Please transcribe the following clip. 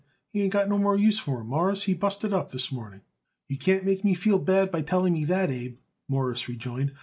"He ain't got no more use for 'em, Mawruss. He busted up this morning." "You can't make me feel bad by telling me that, Abe," Morris rejoined.